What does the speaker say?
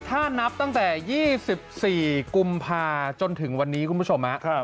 ถ้านับตั้งแต่๒๔กุมภาจนถึงวันนี้คุณผู้ชม